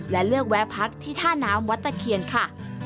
และเลือกแวะพักที่ท่าน้ำวัดตะเคียนค่ะ